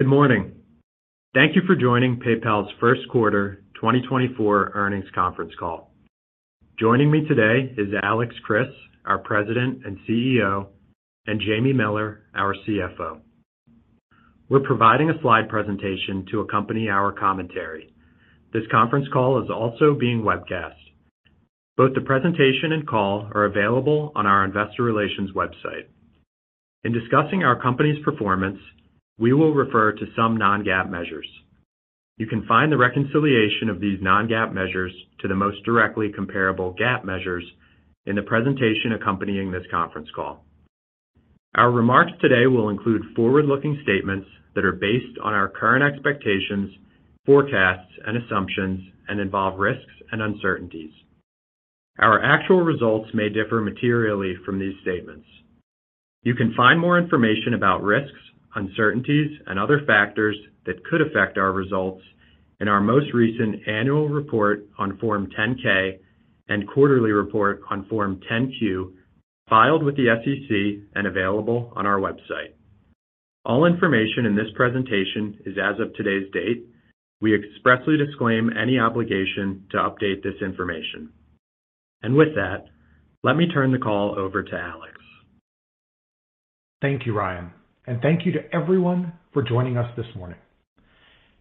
Good morning. Thank you for joining PayPal's first quarter 2024 earnings conference call. Joining me today is Alex Chriss, our President and CEO, and Jamie Miller, our CFO. We're providing a slide presentation to accompany our commentary. This conference call is also being webcast. Both the presentation and call are available on our investor relations website. In discussing our company's performance, we will refer to some non-GAAP measures. You can find the reconciliation of these non-GAAP measures to the most directly comparable GAAP measures in the presentation accompanying this conference call. Our remarks today will include forward-looking statements that are based on our current expectations, forecasts, and assumptions, and involve risks and uncertainties. Our actual results may differ materially from these statements. You can find more information about risks, uncertainties, and other factors that could affect our results in our most recent annual report on Form 10-K and quarterly report on Form 10-Q filed with the SEC and available on our website. All information in this presentation is as of today's date. We expressly disclaim any obligation to update this information. With that, let me turn the call over to Alex. Thank you, Ryan. Thank you to everyone for joining us this morning.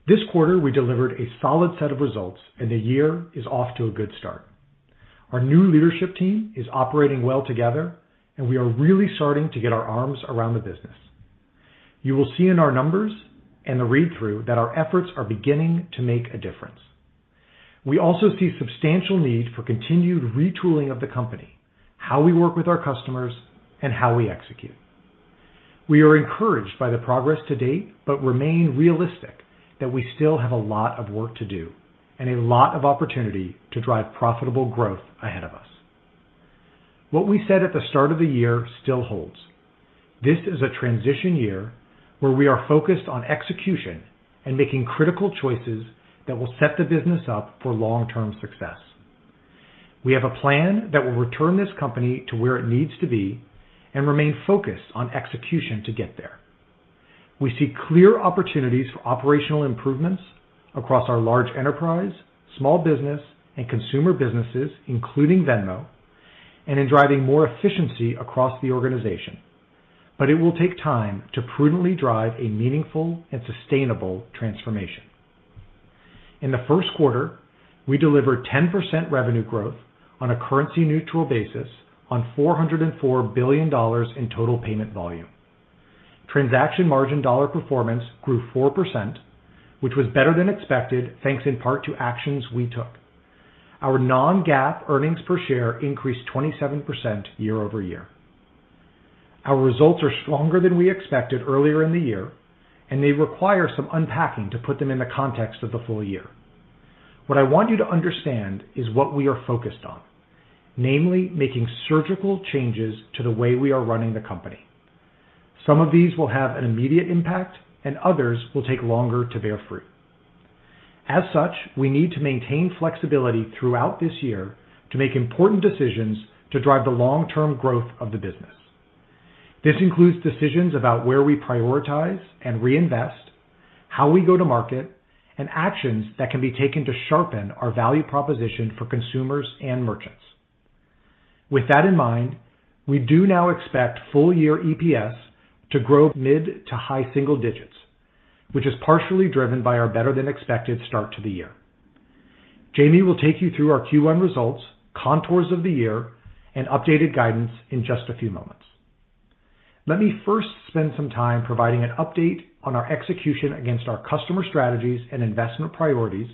This quarter, we delivered a solid set of results, and the year is off to a good start. Our new leadership team is operating well together, and we are really starting to get our arms around the business. You will see in our numbers and the read-through that our efforts are beginning to make a difference. We also see substantial need for continued retooling of the company, how we work with our customers, and how we execute. We are encouraged by the progress to date but remain realistic that we still have a lot of work to do and a lot of opportunity to drive profitable growth ahead of us. What we said at the start of the year still holds. This is a transition year where we are focused on execution and making critical choices that will set the business up for long-term success. We have a plan that will return this company to where it needs to be and remain focused on execution to get there. We see clear opportunities for operational improvements across our large enterprise, small business, and consumer businesses, including Venmo, and in driving more efficiency across the organization. But it will take time to prudently drive a meaningful and sustainable transformation. In the first quarter, we delivered 10% revenue growth on a currency-neutral basis on $404 billion in total payment volume. Transaction margin dollar performance grew 4%, which was better than expected thanks in part to actions we took. Our non-GAAP earnings per share increased 27% year-over-year. Our results are stronger than we expected earlier in the year, and they require some unpacking to put them in the context of the full year. What I want you to understand is what we are focused on, namely making surgical changes to the way we are running the company. Some of these will have an immediate impact, and others will take longer to bear fruit. As such, we need to maintain flexibility throughout this year to make important decisions to drive the long-term growth of the business. This includes decisions about where we prioritize and reinvest, how we go to market, and actions that can be taken to sharpen our value proposition for consumers and merchants. With that in mind, we do now expect full-year EPS to grow mid to high single digits, which is partially driven by our better-than-expected start to the year. Jamie will take you through our Q1 results, contours of the year, and updated guidance in just a few moments. Let me first spend some time providing an update on our execution against our customer strategies and investment priorities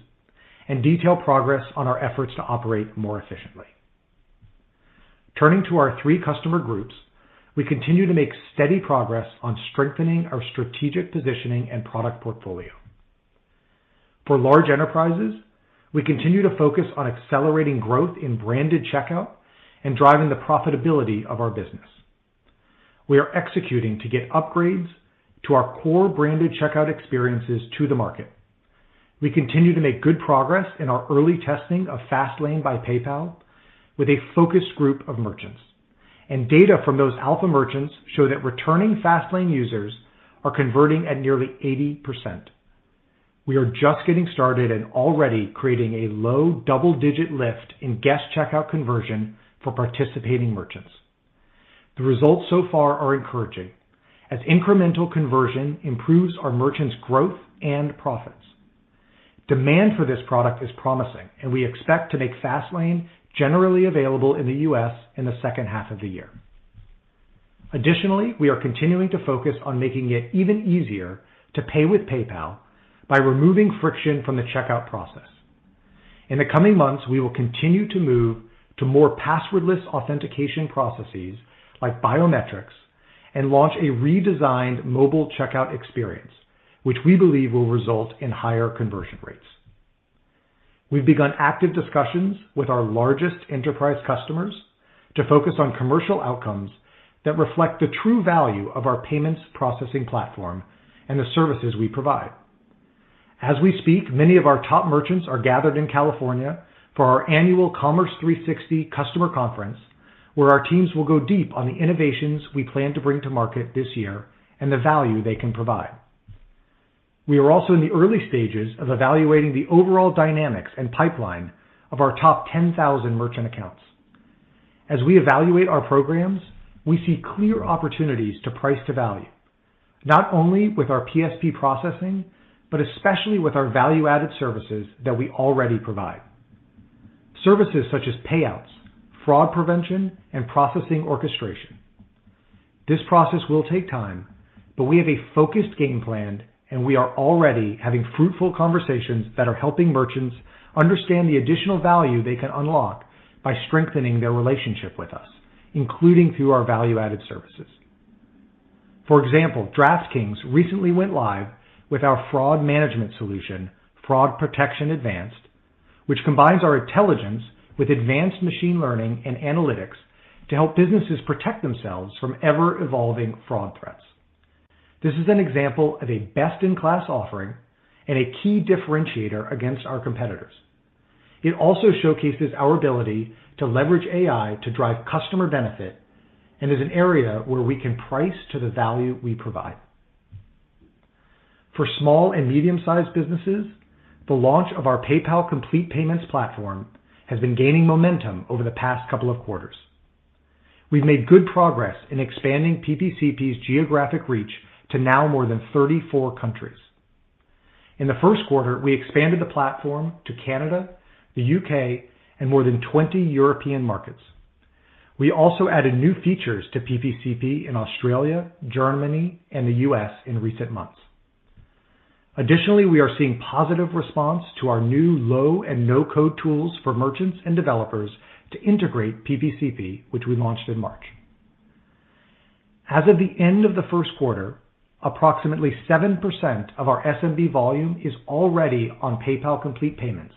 and detail progress on our efforts to operate more efficiently. Turning to our three customer groups, we continue to make steady progress on strengthening our strategic positioning and product portfolio. For large enterprises, we continue to focus on accelerating growth in branded checkout and driving the profitability of our business. We are executing to get upgrades to our core branded checkout experiences to the market. We continue to make good progress in our early testing of Fastlane by PayPal with a focused group of merchants, and data from those alpha merchants show that returning Fastlane users are converting at nearly 80%. We are just getting started and already creating a low double-digit lift in guest checkout conversion for participating merchants. The results so far are encouraging as incremental conversion improves our merchants' growth and profits. Demand for this product is promising, and we expect to make Fastlane generally available in the U.S. in the second half of the year. Additionally, we are continuing to focus on making it even easier to pay with PayPal by removing friction from the checkout process. In the coming months, we will continue to move to more passwordless authentication processes like biometrics and launch a redesigned mobile checkout experience, which we believe will result in higher conversion rates. We've begun active discussions with our largest enterprise customers to focus on commercial outcomes that reflect the true value of our payments processing platform and the services we provide. As we speak, many of our top merchants are gathered in California for our annual Commerce 360 customer conference, where our teams will go deep on the innovations we plan to bring to market this year and the value they can provide. We are also in the early stages of evaluating the overall dynamics and pipeline of our top 10,000 merchant accounts. As we evaluate our programs, we see clear opportunities to price to value, not only with our PSP processing but especially with our value-added services that we already provide, services such as payouts, fraud prevention, and processing orchestration. This process will take time, but we have a focused game plan, and we are already having fruitful conversations that are helping merchants understand the additional value they can unlock by strengthening their relationship with us, including through our value-added services. For example, DraftKings recently went live with our fraud management solution, Fraud Protection Advanced, which combines our intelligence with advanced machine learning and analytics to help businesses protect themselves from ever-evolving fraud threats. This is an example of a best-in-class offering and a key differentiator against our competitors. It also showcases our ability to leverage AI to drive customer benefit and is an area where we can price to the value we provide. For small and medium-sized businesses, the launch of our PayPal Complete Payments platform has been gaining momentum over the past couple of quarters. We've made good progress in expanding PPCP's geographic reach to now more than 34 countries. In the first quarter, we expanded the platform to Canada, the UK, and more than 20 European markets. We also added new features to PPCP in Australia, Germany, and the US in recent months. Additionally, we are seeing positive response to our new low-and-no-code tools for merchants and developers to integrate PPCP, which we launched in March. As of the end of the first quarter, approximately 7% of our SMB volume is already on PayPal Complete Payments,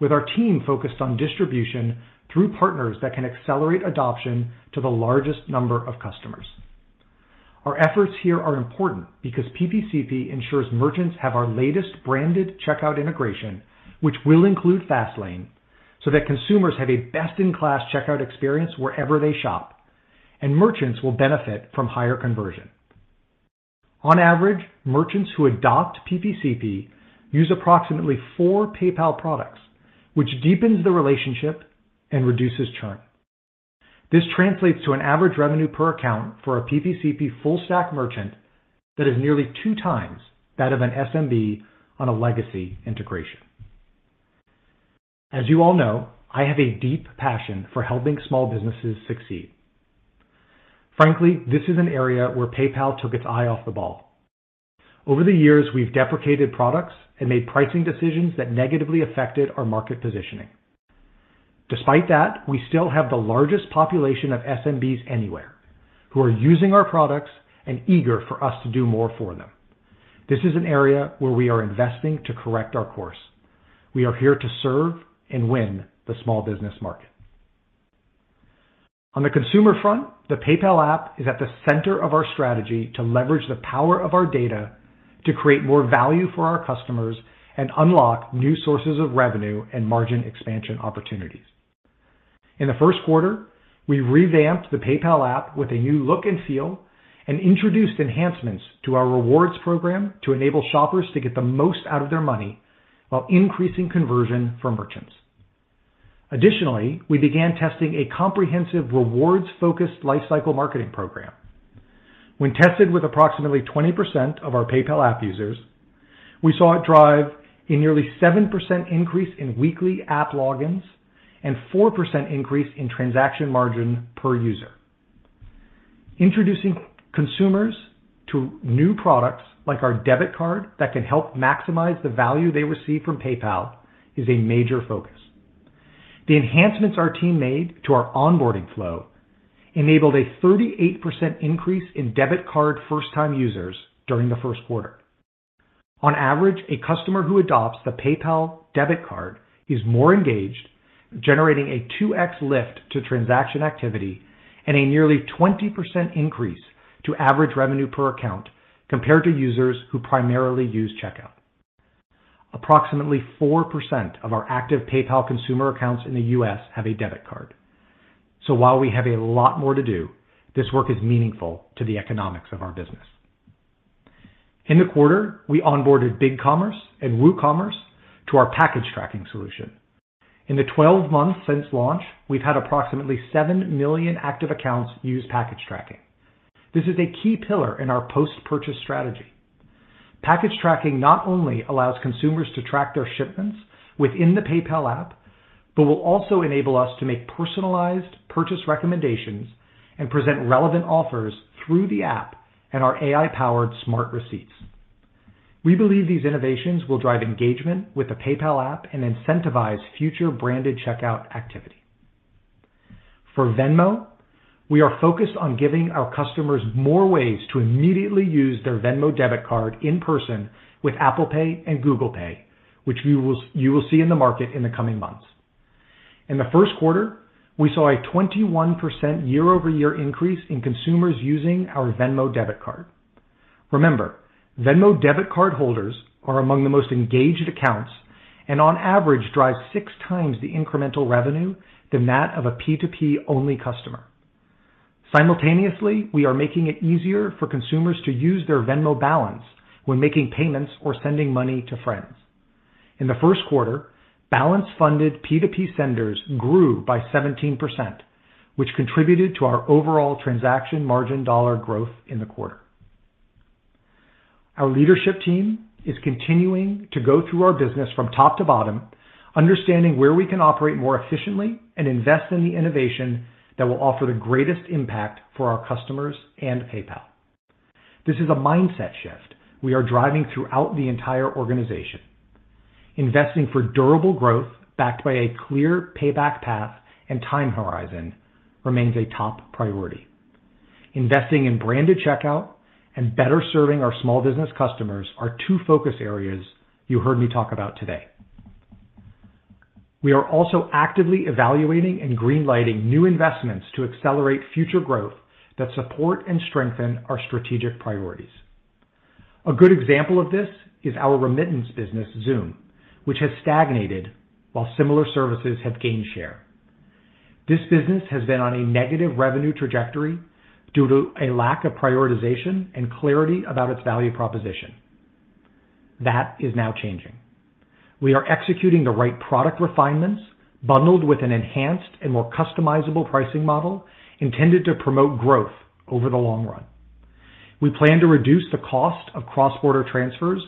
with our team focused on distribution through partners that can accelerate adoption to the largest number of customers. Our efforts here are important because PPCP ensures merchants have our latest branded checkout integration, which will include Fastlane, so that consumers have a best-in-class checkout experience wherever they shop, and merchants will benefit from higher conversion. On average, merchants who adopt PPCP use approximately four PayPal products, which deepens the relationship and reduces churn. This translates to an average revenue per account for a PPCP full-stack merchant that is nearly two times that of an SMB on a legacy integration. As you all know, I have a deep passion for helping small businesses succeed. Frankly, this is an area where PayPal took its eye off the ball. Over the years, we've deprecated products and made pricing decisions that negatively affected our market positioning. Despite that, we still have the largest population of SMBs anywhere who are using our products and eager for us to do more for them. This is an area where we are investing to correct our course. We are here to serve and win the small business market. On the consumer front, the PayPal app is at the center of our strategy to leverage the power of our data to create more value for our customers and unlock new sources of revenue and margin expansion opportunities. In the first quarter, we revamped the PayPal app with a new look and feel and introduced enhancements to our rewards program to enable shoppers to get the most out of their money while increasing conversion for merchants. Additionally, we began testing a comprehensive rewards-focused lifecycle marketing program. When tested with approximately 20% of our PayPal app users, we saw it drive a nearly 7% increase in weekly app logins and 4% increase in transaction margin per user. Introducing consumers to new products like our debit card that can help maximize the value they receive from PayPal is a major focus. The enhancements our team made to our onboarding flow enabled a 38% increase in debit card first-time users during the first quarter. On average, a customer who adopts the PayPal Debit Card is more engaged, generating a 2X lift to transaction activity and a nearly 20% increase to average revenue per account compared to users who primarily use checkout. Approximately 4% of our active PayPal consumer accounts in the U.S. have a debit card. So while we have a lot more to do, this work is meaningful to the economics of our business. In the quarter, we onboarded BigCommerce and WooCommerce to our package tracking solution. In the 12 months since launch, we've had approximately 7 million active accounts use package tracking. This is a key pillar in our post-purchase strategy. Package tracking not only allows consumers to track their shipments within the PayPal app but will also enable us to make personalized purchase recommendations and present relevant offers through the app and our AI-powered Smart Receipts. We believe these innovations will drive engagement with the PayPal app and incentivize future branded checkout activity. For Venmo, we are focused on giving our customers more ways to immediately use their Venmo Debit Card in person with Apple Pay and Google Pay, which you will see in the market in the coming months. In the first quarter, we saw a 21% year-over-year increase in consumers using our Venmo Debit Card. Remember, Venmo Debit Card holders are among the most engaged accounts and on average drive six times the incremental revenue than that of a P2P-only customer. Simultaneously, we are making it easier for consumers to use their Venmo balance when making payments or sending money to friends. In the first quarter, balance-funded P2P senders grew by 17%, which contributed to our overall transaction margin dollar growth in the quarter. Our leadership team is continuing to go through our business from top to bottom, understanding where we can operate more efficiently and invest in the innovation that will offer the greatest impact for our customers and PayPal. This is a mindset shift we are driving throughout the entire organization. Investing for durable growth backed by a clear payback path and time horizon remains a top priority. Investing in branded checkout and better serving our small business customers are two focus areas you heard me talk about today. We are also actively evaluating and greenlighting new investments to accelerate future growth that support and strengthen our strategic priorities. A good example of this is our remittance business, Xoom, which has stagnated while similar services have gained share. This business has been on a negative revenue trajectory due to a lack of prioritization and clarity about its value proposition. That is now changing. We are executing the right product refinements bundled with an enhanced and more customizable pricing model intended to promote growth over the long run. We plan to reduce the cost of cross-border transfers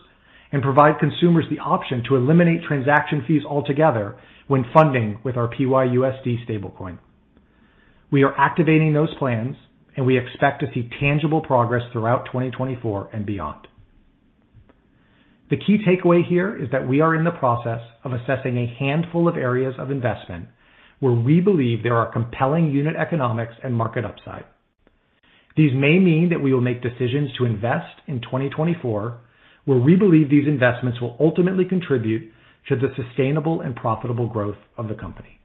and provide consumers the option to eliminate transaction fees altogether when funding with our PYUSD stablecoin. We are activating those plans, and we expect to see tangible progress throughout 2024 and beyond. The key takeaway here is that we are in the process of assessing a handful of areas of investment where we believe there are compelling unit economics and market upside. These may mean that we will make decisions to invest in 2024 where we believe these investments will ultimately contribute to the sustainable and profitable growth of the company.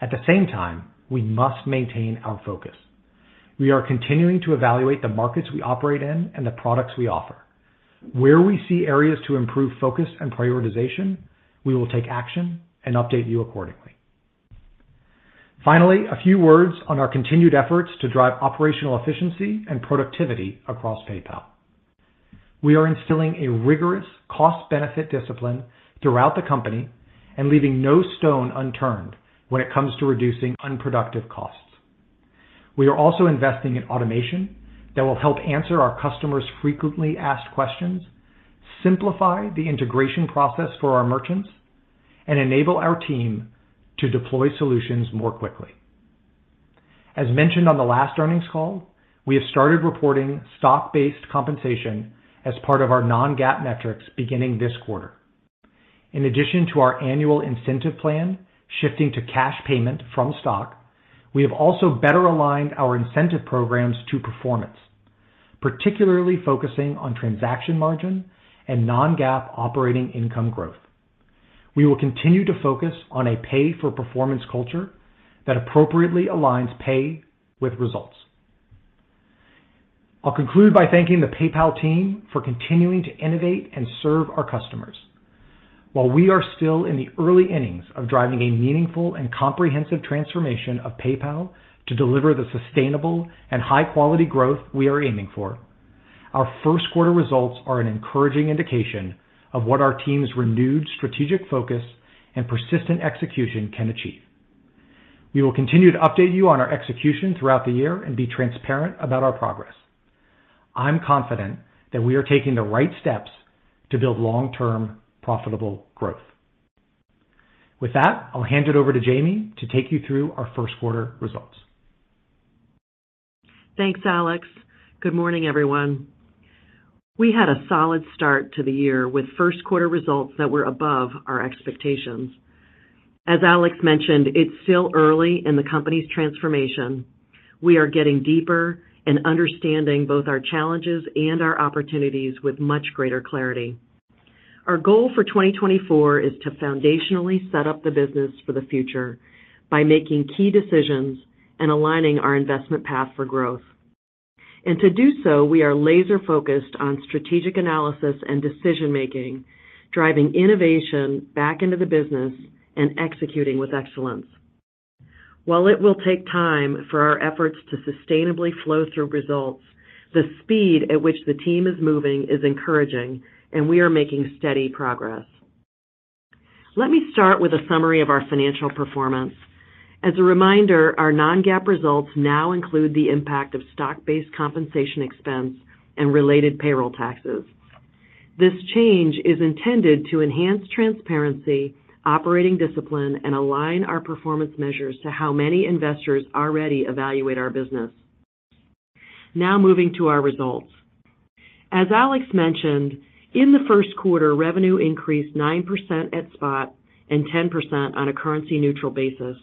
At the same time, we must maintain our focus. We are continuing to evaluate the markets we operate in and the products we offer. Where we see areas to improve focus and prioritization, we will take action and update you accordingly. Finally, a few words on our continued efforts to drive operational efficiency and productivity across PayPal. We are instilling a rigorous cost-benefit discipline throughout the company and leaving no stone unturned when it comes to reducing unproductive costs. We are also investing in automation that will help answer our customers' frequently asked questions, simplify the integration process for our merchants, and enable our team to deploy solutions more quickly. As mentioned on the last earnings call, we have started reporting stock-based compensation as part of our non-GAAP metrics beginning this quarter. In addition to our Annual Incentive Plan shifting to cash payment from stock, we have also better aligned our incentive programs to performance, particularly focusing on transaction margin and non-GAAP operating income growth. We will continue to focus on a pay-for-performance culture that appropriately aligns pay with results. I'll conclude by thanking the PayPal team for continuing to innovate and serve our customers. While we are still in the early innings of driving a meaningful and comprehensive transformation of PayPal to deliver the sustainable and high-quality growth we are aiming for, our first-quarter results are an encouraging indication of what our team's renewed strategic focus and persistent execution can achieve. We will continue to update you on our execution throughout the year and be transparent about our progress. I'm confident that we are taking the right steps to build long-term profitable growth. With that, I'll hand it over to Jamie to take you through our first-quarter results. Thanks, Alex. Good morning, everyone. We had a solid start to the year with first-quarter results that were above our expectations. As Alex mentioned, it's still early in the company's transformation. We are getting deeper and understanding both our challenges and our opportunities with much greater clarity. Our goal for 2024 is to foundationally set up the business for the future by making key decisions and aligning our investment path for growth. To do so, we are laser-focused on strategic analysis and decision-making, driving innovation back into the business and executing with excellence. While it will take time for our efforts to sustainably flow through results, the speed at which the team is moving is encouraging, and we are making steady progress. Let me start with a summary of our financial performance. As a reminder, our non-GAAP results now include the impact of stock-based compensation expense and related payroll taxes. This change is intended to enhance transparency, operating discipline, and align our performance measures to how many investors already evaluate our business. Now moving to our results. As Alex mentioned, in the first quarter, revenue increased 9% at spot and 10% on a currency-neutral basis.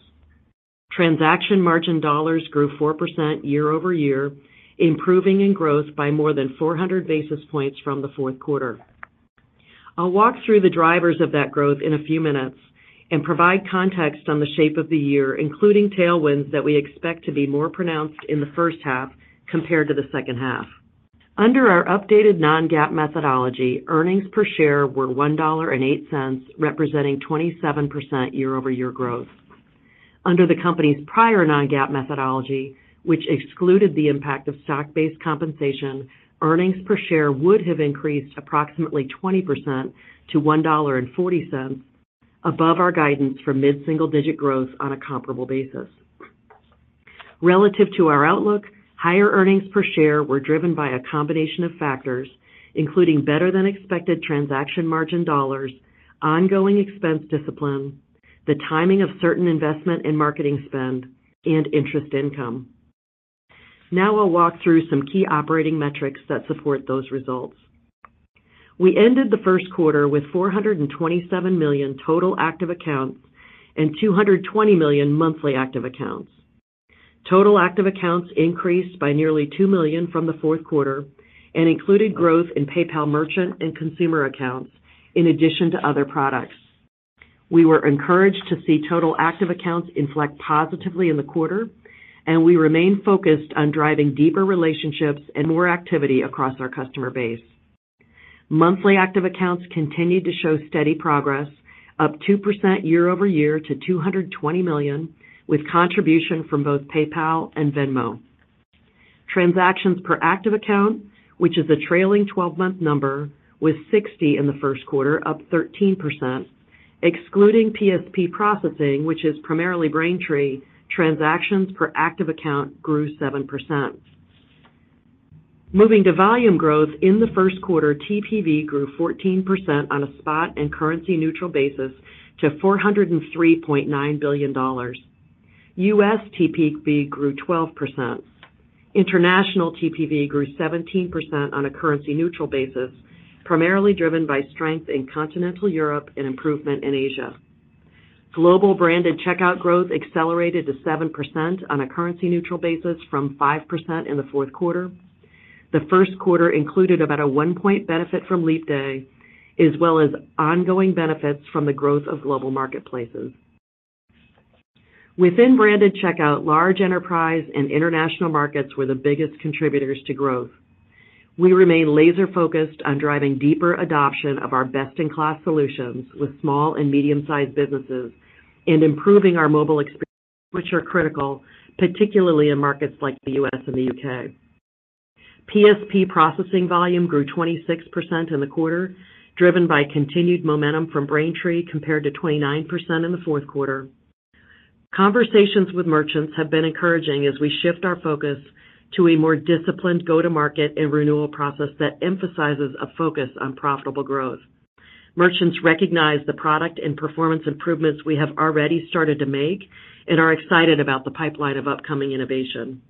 Transaction margin dollars grew 4% year-over-year, improving in growth by more than 400 basis points from the fourth quarter. I'll walk through the drivers of that growth in a few minutes and provide context on the shape of the year, including tailwinds that we expect to be more pronounced in the first half compared to the second half. Under our updated non-GAAP methodology, earnings per share were $1.08, representing 27% year-over-year growth. Under the company's prior non-GAAP methodology, which excluded the impact of stock-based compensation, earnings per share would have increased approximately 20% to $1.40, above our guidance for mid-single-digit growth on a comparable basis. Relative to our outlook, higher earnings per share were driven by a combination of factors, including better-than-expected transaction margin dollars, ongoing expense discipline, the timing of certain investment and marketing spend, and interest income. Now I'll walk through some key operating metrics that support those results. We ended the first quarter with 427 million total active accounts and 220 million monthly active accounts. Total active accounts increased by nearly two million from the fourth quarter and included growth in PayPal merchant and consumer accounts in addition to other products. We were encouraged to see total active accounts inflect positively in the quarter, and we remained focused on driving deeper relationships and more activity across our customer base. Monthly active accounts continued to show steady progress, up 2% year-over-year to 220 million, with contribution from both PayPal and Venmo. Transactions per active account, which is a trailing 12-month number, was 60 in the first quarter, up 13%. Excluding PSP processing, which is primarily Braintree, transactions per active account grew 7%. Moving to volume growth, in the first quarter, TPV grew 14% on a spot and currency-neutral basis to $403.9 billion. US TPV grew 12%. International TPV grew 17% on a currency-neutral basis, primarily driven by strength in continental Europe and improvement in Asia. Global branded checkout growth accelerated to 7% on a currency-neutral basis from 5% in the fourth quarter. The first quarter included about a 1-point benefit from leap day, as well as ongoing benefits from the growth of global marketplaces. Within branded checkout, large enterprise and international markets were the biggest contributors to growth. We remain laser-focused on driving deeper adoption of our best-in-class solutions with small and medium-sized businesses and improving our mobile experience, which are critical, particularly in markets like the U.S. and the U.K. PSP processing volume grew 26% in the quarter, driven by continued momentum from Braintree compared to 29% in the fourth quarter. Conversations with merchants have been encouraging as we shift our focus to a more disciplined go-to-market and renewal process that emphasizes a focus on profitable growth. Merchants recognize the product and performance improvements we have already started to make and are excited about the pipeline of upcoming innovation.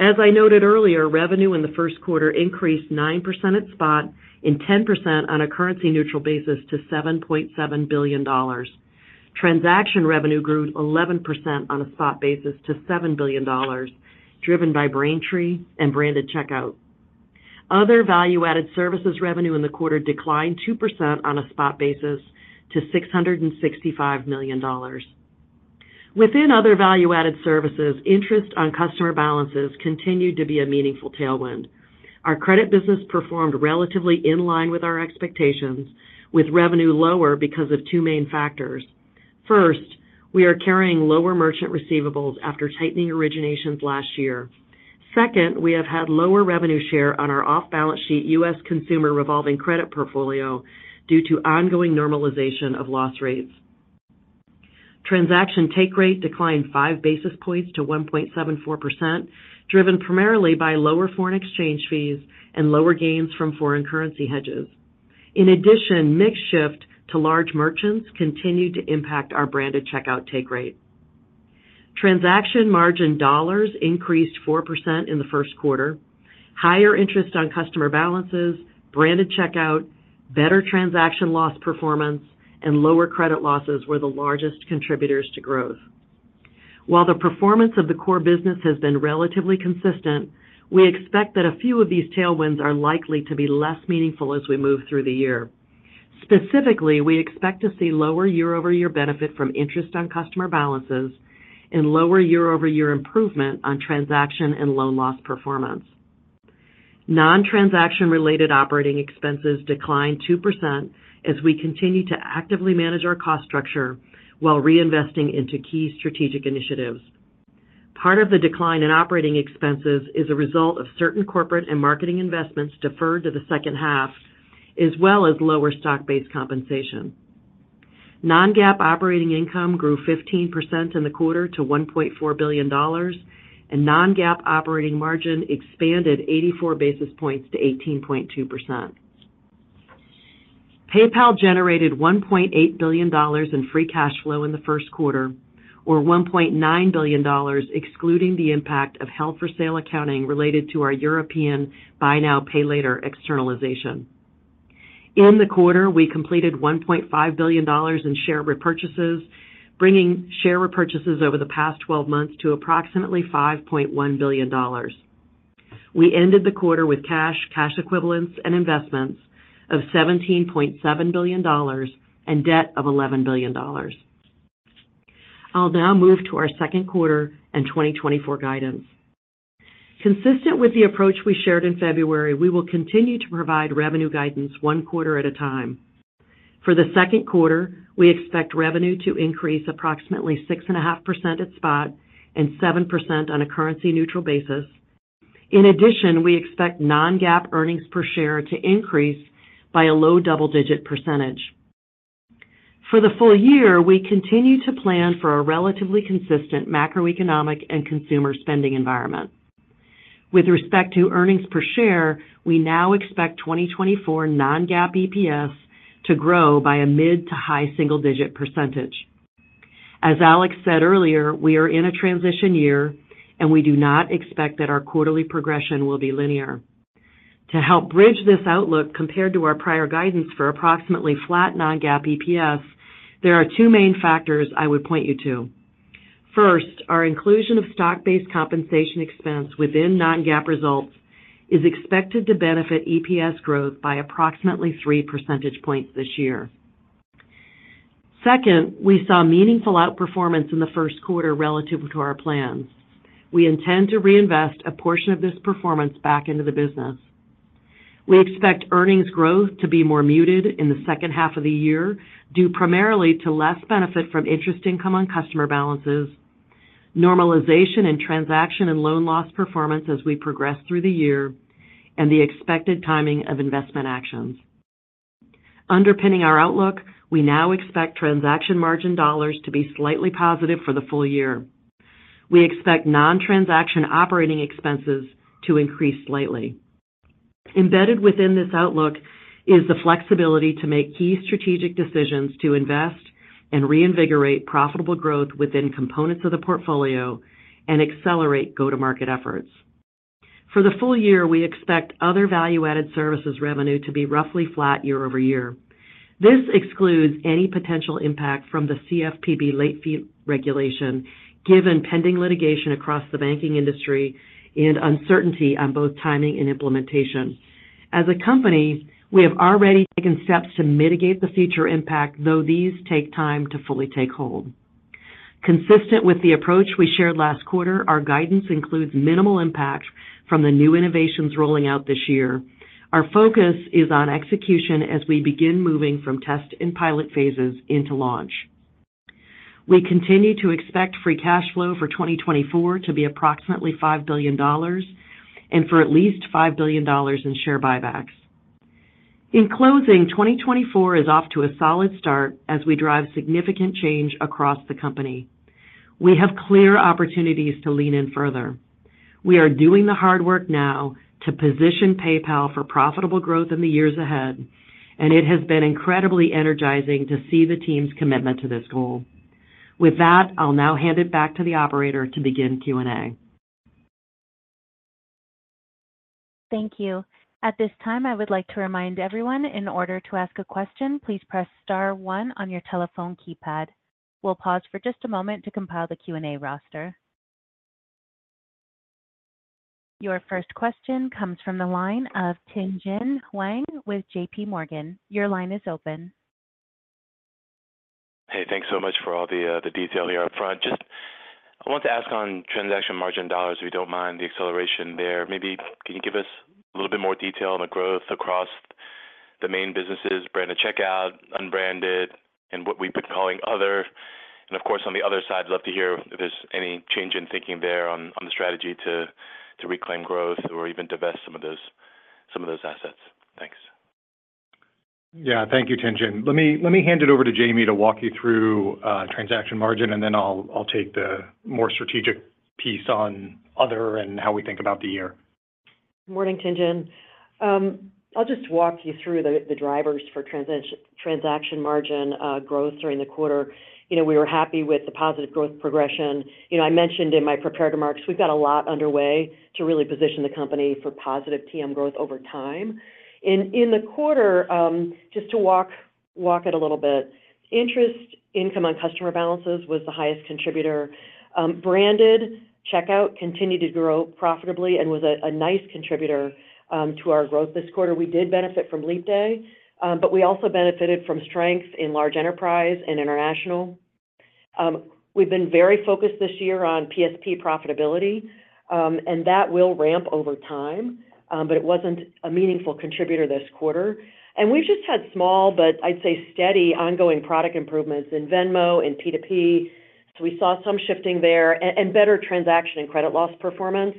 As I noted earlier, revenue in the first quarter increased 9% at spot and 10% on a currency-neutral basis to $7.7 billion. Transaction revenue grew 11% on a spot basis to $7 billion, driven by Braintree and branded checkout. Other value-added services revenue in the quarter declined 2% on a spot basis to $665 million. Within other value-added services, interest on customer balances continued to be a meaningful tailwind. Our credit business performed relatively in line with our expectations, with revenue lower because of two main factors. First, we are carrying lower merchant receivables after tightening originations last year. Second, we have had lower revenue share on our off-balance sheet U.S. consumer revolving credit portfolio due to ongoing normalization of loss rates. Transaction take rate declined 5 basis points to 1.74%, driven primarily by lower foreign exchange fees and lower gains from foreign currency hedges. In addition, mixed shift to large merchants continued to impact our branded checkout take rate. Transaction margin dollars increased 4% in the first quarter. Higher interest on customer balances, branded checkout, better transaction loss performance, and lower credit losses were the largest contributors to growth. While the performance of the core business has been relatively consistent, we expect that a few of these tailwinds are likely to be less meaningful as we move through the year. Specifically, we expect to see lower year-over-year benefit from interest on customer balances and lower year-over-year improvement on transaction and loan loss performance. Non-transaction-related operating expenses declined 2% as we continue to actively manage our cost structure while reinvesting into key strategic initiatives. Part of the decline in operating expenses is a result of certain corporate and marketing investments deferred to the second half, as well as lower stock-based compensation. Non-GAAP operating income grew 15% in the quarter to $1.4 billion, and non-GAAP operating margin expanded 84 basis points to 18.2%. PayPal generated $1.8 billion in free cash flow in the first quarter, or $1.9 billion excluding the impact of held-for-sale accounting related to our European Buy Now, Pay Later externalization. In the quarter, we completed $1.5 billion in share repurchases, bringing share repurchases over the past 12 months to approximately $5.1 billion. We ended the quarter with cash, cash equivalents, and investments of $17.7 billion and debt of $11 billion. I'll now move to our second quarter and 2024 guidance. Consistent with the approach we shared in February, we will continue to provide revenue guidance one quarter at a time. For the second quarter, we expect revenue to increase approximately 6.5% at spot and 7% on a currency-neutral basis. In addition, we expect non-GAAP earnings per share to increase by a low double-digit percentage. For the full year, we continue to plan for a relatively consistent macroeconomic and consumer spending environment. With respect to earnings per share, we now expect 2024 non-GAAP EPS to grow by a mid- to high-single-digit %. As Alex said earlier, we are in a transition year, and we do not expect that our quarterly progression will be linear. To help bridge this outlook compared to our prior guidance for approximately flat non-GAAP EPS, there are two main factors I would point you to. First, our inclusion of stock-based compensation expense within non-GAAP results is expected to benefit EPS growth by approximately 3 percentage points this year. Second, we saw meaningful outperformance in the first quarter relative to our plans. We intend to reinvest a portion of this performance back into the business. We expect earnings growth to be more muted in the second half of the year due primarily to less benefit from interest income on customer balances, normalization in transaction and loan loss performance as we progress through the year, and the expected timing of investment actions. Underpinning our outlook, we now expect transaction margin dollars to be slightly positive for the full year. We expect non-transaction operating expenses to increase slightly. Embedded within this outlook is the flexibility to make key strategic decisions to invest and reinvigorate profitable growth within components of the portfolio and accelerate go-to-market efforts. For the full year, we expect other value-added services revenue to be roughly flat year-over-year. This excludes any potential impact from the CFPB late fee regulation, given pending litigation across the banking industry and uncertainty on both timing and implementation. As a company, we have already taken steps to mitigate the future impact, though these take time to fully take hold. Consistent with the approach we shared last quarter, our guidance includes minimal impact from the new innovations rolling out this year. Our focus is on execution as we begin moving from test and pilot phases into launch. We continue to expect free cash flow for 2024 to be approximately $5 billion and for at least $5 billion in share buybacks. In closing, 2024 is off to a solid start as we drive significant change across the company. We have clear opportunities to lean in further. We are doing the hard work now to position PayPal for profitable growth in the years ahead, and it has been incredibly energizing to see the team's commitment to this goal. With that, I'll now hand it back to the operator to begin Q&A. Thank you. At this time, I would like to remind everyone, in order to ask a question, please press star 1 on your telephone keypad. We'll pause for just a moment to compile the Q&A roster. Your first question comes from the line of Tien-Tsin Huang with JP Morgan. Your line is open. Hey, thanks so much for all the detail here up front. Just, I want to ask on transaction margin dollars, if you don't mind the acceleration there. Maybe can you give us a little bit more detail on the growth across the main businesses, branded checkout, unbranded, and what we've been calling other? And of course, on the other side, I'd love to hear if there's any change in thinking there on the strategy to reclaim growth or even divest some of those assets. Thanks. Yeah, thank you, Tien-Tsin. Let me hand it over to Jamie to walk you through transaction margin, and then I'll take the more strategic piece on other and how we think about the year. Good morning, Tien-Tsin Huang. I'll just walk you through the drivers for transaction margin growth during the quarter. We were happy with the positive growth progression. I mentioned in my prepared remarks, we've got a lot underway to really position the company for positive TM growth over time. In the quarter, just to walk it a little bit, interest income on customer balances was the highest contributor. Branded checkout continued to grow profitably and was a nice contributor to our growth this quarter. We did benefit from leap day, but we also benefited from strength in large enterprise and international. We've been very focused this year on PSP profitability, and that will ramp over time, but it wasn't a meaningful contributor this quarter. We've just had small, but I'd say steady, ongoing product improvements in Venmo and P2P. We saw some shifting there and better transaction and credit loss performance.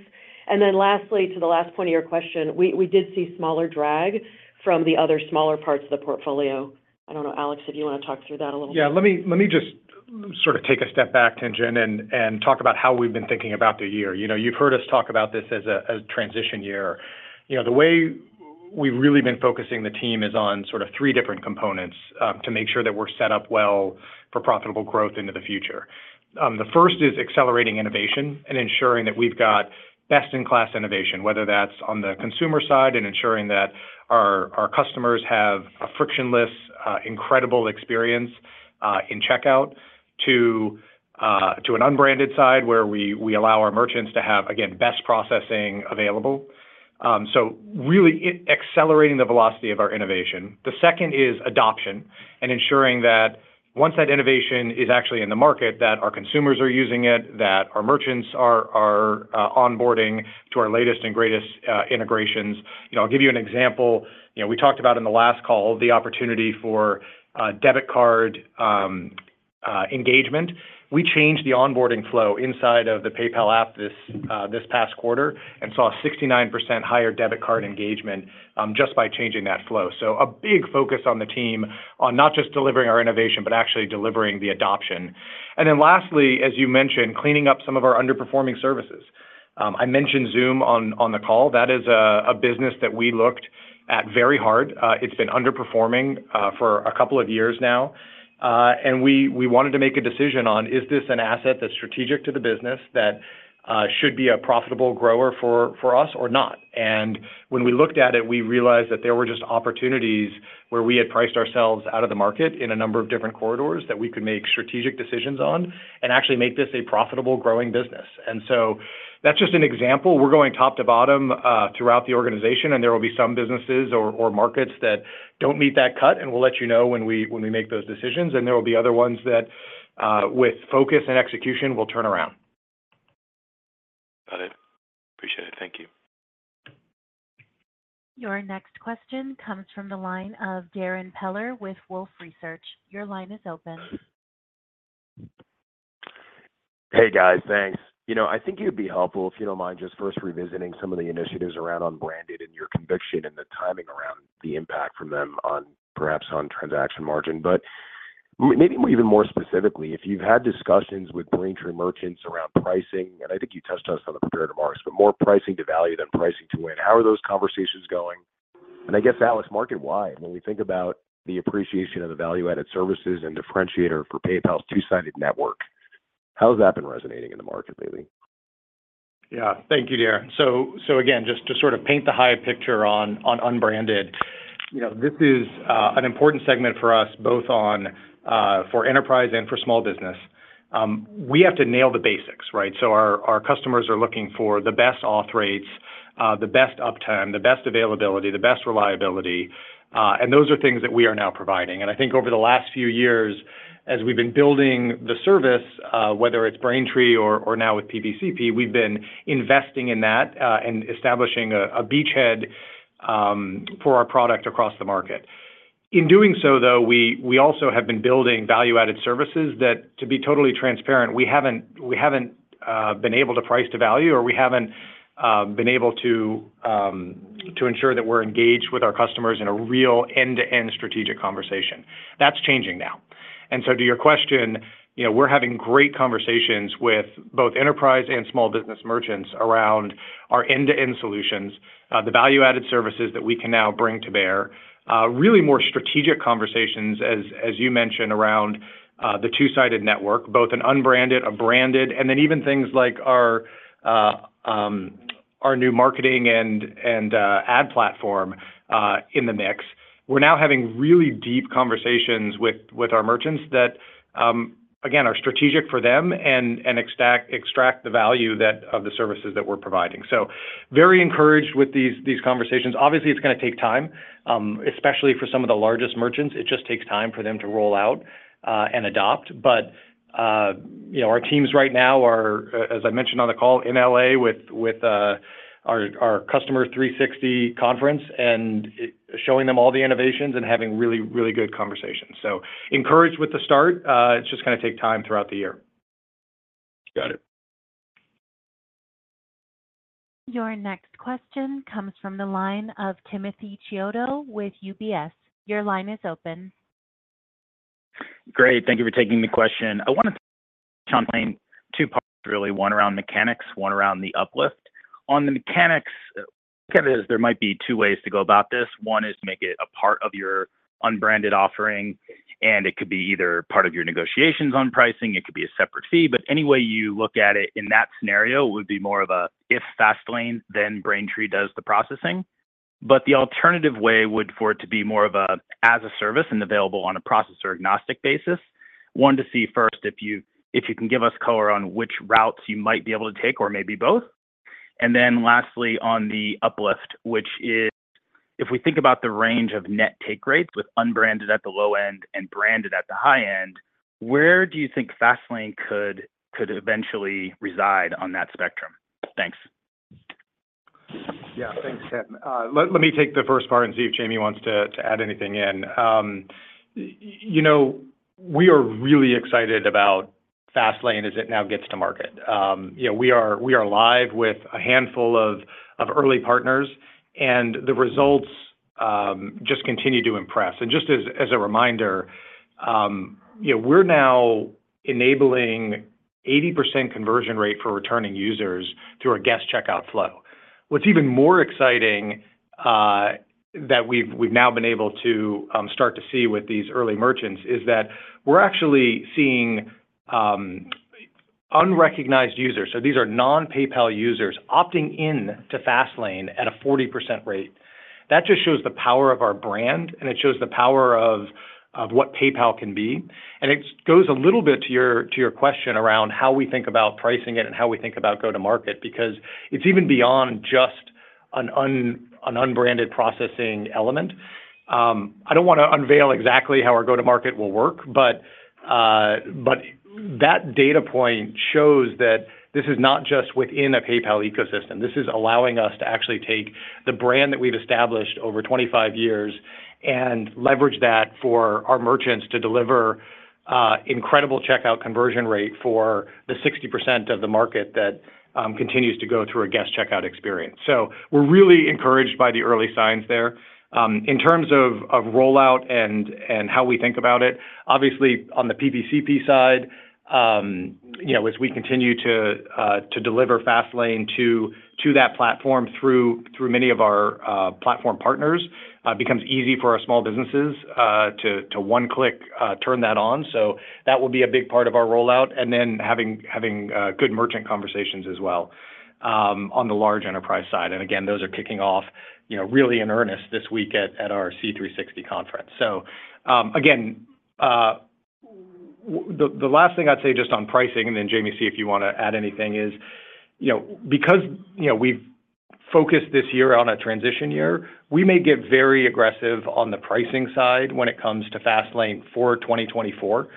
Then lastly, to the last point of your question, we did see smaller drag from the other smaller parts of the portfolio. I don't know, Alex, if you want to talk through that a little bit. Yeah, let me just sort of take a step back, Tien-Tsin Huang, and talk about how we've been thinking about the year. You've heard us talk about this as a transition year. The way we've really been focusing the team is on sort of three different components to make sure that we're set up well for profitable growth into the future. The first is accelerating innovation and ensuring that we've got best-in-class innovation, whether that's on the consumer side and ensuring that our customers have a frictionless, incredible experience in checkout, to an unbranded side where we allow our merchants to have, again, best processing available. So really accelerating the velocity of our innovation. The second is adoption and ensuring that once that innovation is actually in the market, that our consumers are using it, that our merchants are onboarding to our latest and greatest integrations. I'll give you an example. We talked about in the last call the opportunity for debit card engagement. We changed the onboarding flow inside of the PayPal app this past quarter and saw 69% higher debit card engagement just by changing that flow. So a big focus on the team on not just delivering our innovation, but actually delivering the adoption. And then lastly, as you mentioned, cleaning up some of our underperforming services. I mentioned Xoom on the call. That is a business that we looked at very hard. It's been underperforming for a couple of years now. And we wanted to make a decision on, is this an asset that's strategic to the business that should be a profitable grower for us or not? When we looked at it, we realized that there were just opportunities where we had priced ourselves out of the market in a number of different corridors that we could make strategic decisions on and actually make this a profitable growing business. So that's just an example. We're going top to bottom throughout the organization, and there will be some businesses or markets that don't meet that cut, and we'll let you know when we make those decisions. There will be other ones that, with focus and execution, will turn around. Got it. Appreciate it. Thank you. Your next question comes from the line of Darrin Peller with Wolfe Research. Your line is open. Hey, guys. Thanks. I think it would be helpful if you don't mind just first revisiting some of the initiatives around unbranded and your conviction and the timing around the impact from them, perhaps on transaction margin. But maybe even more specifically, if you've had discussions with Braintree's merchants around pricing - and I think you touched on this on the prepared remarks - but more pricing to value than pricing to win, how are those conversations going? And I guess, Alex, market-wide, when we think about the appreciation of the value-added services and differentiator for PayPal's two-sided network, how has that been resonating in the market lately? Yeah, thank you, Darren. So again, just to sort of paint the big picture on unbranded, this is an important segment for us, both for enterprise and for small business. We have to nail the basics, right? So our customers are looking for the best auth rates, the best uptime, the best availability, the best reliability. And those are things that we are now providing. And I think over the last few years, as we've been building the service, whether it's Braintree or now with PPCP, we've been investing in that and establishing a beachhead for our product across the market. In doing so, though, we also have been building value-added services that, to be totally transparent, we haven't been able to price to value, or we haven't been able to ensure that we're engaged with our customers in a real end-to-end strategic conversation. That's changing now. To your question, we're having great conversations with both enterprise and small business merchants around our end-to-end solutions, the value-added services that we can now bring to bear, really more strategic conversations, as you mentioned, around the two-sided network, both an unbranded, a branded, and then even things like our new marketing and ad platform in the mix. We're now having really deep conversations with our merchants that, again, are strategic for them and extract the value of the services that we're providing. So very encouraged with these conversations. Obviously, it's going to take time, especially for some of the largest merchants. It just takes time for them to roll out and adopt. But our teams right now are, as I mentioned on the call, in L.A. with our Commerce 360 conference and showing them all the innovations and having really, really good conversations. So encouraged with the start. It's just going to take time throughout the year. Got it. Your next question comes from the line of Timothy Chiodo with UBS. Your line is open. Great. Thank you for taking the question. I want to touch on two parts, really, one around mechanics, one around the uplift. On the mechanics, look at it as there might be two ways to go about this. One is to make it a part of your unbranded offering, and it could be either part of your negotiations on pricing. It could be a separate fee. But any way you look at it in that scenario, it would be more of a if Fastlane than Braintree does the processing. But the alternative way would for it to be more of an as-a-service and available on a processor-agnostic basis. Wanted to see first if you can give us color on which routes you might be able to take or maybe both. And then lastly, on the uplift, which is if we think about the range of net take rates with unbranded at the low end and branded at the high end, where do you think Fastlane could eventually reside on that spectrum? Thanks. Yeah, thanks, Kevin. Let me take the first part and see if Jamie wants to add anything in. We are really excited about Fastlane as it now gets to market. We are live with a handful of early partners, and the results just continue to impress. And just as a reminder, we're now enabling 80% conversion rate for returning users through our guest checkout flow. What's even more exciting that we've now been able to start to see with these early merchants is that we're actually seeing unrecognized users. So these are non-PayPal users opting in to Fastlane at a 40% rate. That just shows the power of our brand, and it shows the power of what PayPal can be. It goes a little bit to your question around how we think about pricing it and how we think about go-to-market because it's even beyond just an unbranded processing element. I don't want to unveil exactly how our go-to-market will work, but that data point shows that this is not just within a PayPal ecosystem. This is allowing us to actually take the brand that we've established over 25 years and leverage that for our merchants to deliver an incredible checkout conversion rate for the 60% of the market that continues to go through a guest checkout experience. So we're really encouraged by the early signs there. In terms of rollout and how we think about it, obviously, on the PPCP side, as we continue to deliver Fastlane to that platform through many of our platform partners, it becomes easy for our small businesses to one-click turn that on. So that will be a big part of our rollout, and then having good merchant conversations as well on the large enterprise side. And again, those are kicking off really in earnest this week at our C360 conference. So again, the last thing I'd say just on pricing, and then Jamie, see if you want to add anything, is because we've focused this year on a transition year, we may get very aggressive on the pricing side when it comes to Fastlane for 2024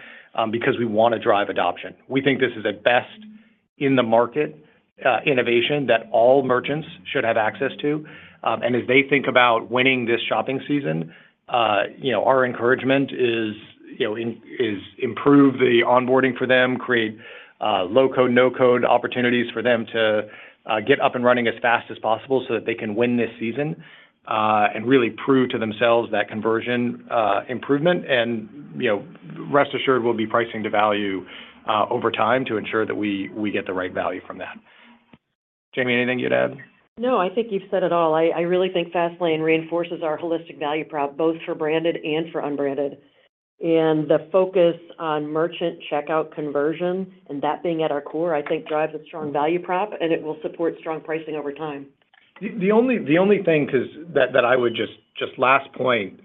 because we want to drive adoption. We think this is the best in the market innovation that all merchants should have access to. As they think about winning this shopping season, our encouragement is to improve the onboarding for them, create low-code, no-code opportunities for them to get up and running as fast as possible so that they can win this season and really prove to themselves that conversion improvement. Rest assured, we'll be pricing to value over time to ensure that we get the right value from that. Jamie, anything you'd add? No, I think you've said it all. I really think Fastlane reinforces our holistic value prop, both for branded and for unbranded. And the focus on merchant checkout conversion and that being at our core, I think, drives a strong value prop, and it will support strong pricing over time. The only thing that I would just last point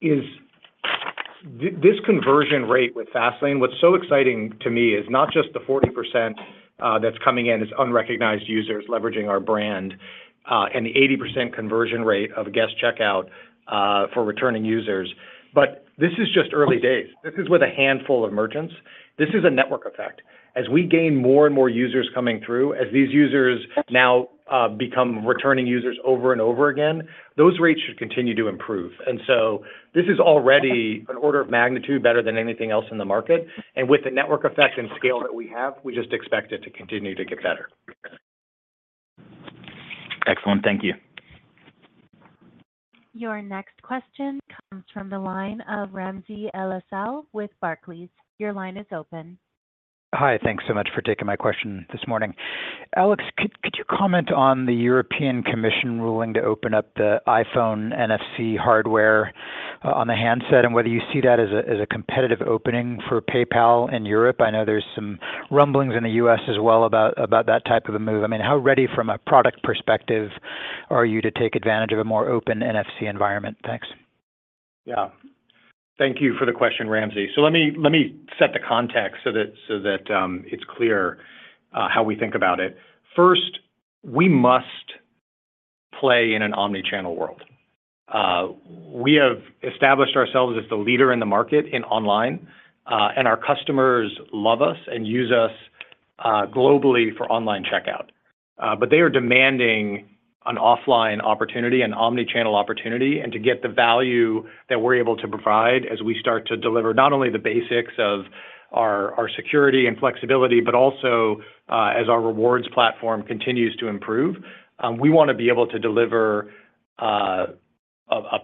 is this conversion rate with Fastlane, what's so exciting to me is not just the 40% that's coming in as unrecognized users leveraging our brand and the 80% conversion rate of guest checkout for returning users. This is just early days. This is with a handful of merchants. This is a network effect. As we gain more and more users coming through, as these users now become returning users over and over again, those rates should continue to improve. This is already an order of magnitude better than anything else in the market. With the network effect and scale that we have, we just expect it to continue to get better. Excellent. Thank you. Your next question comes from the line of Ramsey El-Assal with Barclays. Your line is open. Hi. Thanks so much for taking my question this morning. Alex, could you comment on the European Commission ruling to open up the iPhone NFC hardware on the handset and whether you see that as a competitive opening for PayPal in Europe? I know there's some rumblings in the U.S. as well about that type of a move. I mean, how ready, from a product perspective, are you to take advantage of a more open NFC environment? Thanks. Yeah. Thank you for the question, Ramsey. So let me set the context so that it's clear how we think about it. First, we must play in an omnichannel world. We have established ourselves as the leader in the market in online, and our customers love us and use us globally for online checkout. But they are demanding an offline opportunity, an omnichannel opportunity, and to get the value that we're able to provide as we start to deliver not only the basics of our security and flexibility, but also as our rewards platform continues to improve, we want to be able to deliver a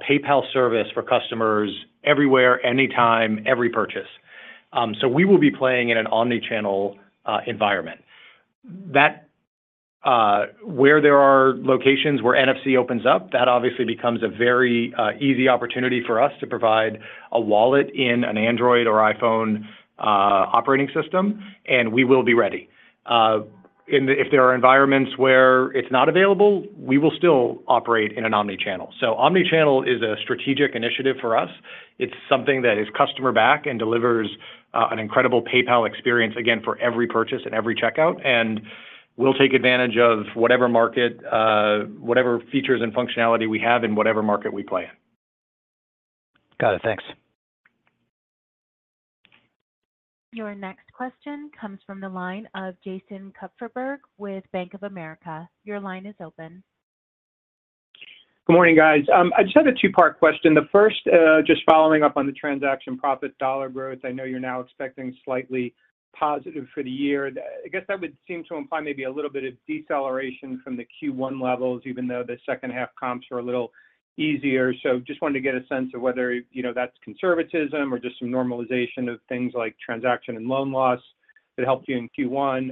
PayPal service for customers everywhere, anytime, every purchase. So we will be playing in an omnichannel environment. Where there are locations where NFC opens up, that obviously becomes a very easy opportunity for us to provide a wallet in an Android or iPhone operating system, and we will be ready. If there are environments where it's not available, we will still operate in an omnichannel. So omnichannel is a strategic initiative for us. It's something that is customer-backed and delivers an incredible PayPal experience, again, for every purchase and every checkout. And we'll take advantage of whatever market, whatever features and functionality we have in whatever market we play in. Got it. Thanks. Your next question comes from the line of Jason Kupferberg with Bank of America. Your line is open. Good morning, guys. I just had a two-part question. The first, just following up on the transaction profit, dollar growth, I know you're now expecting slightly positive for the year. I guess that would seem to imply maybe a little bit of deceleration from the Q1 levels, even though the second-half comps were a little easier. So just wanted to get a sense of whether that's conservatism or just some normalization of things like transaction and loan loss that helped you in Q1.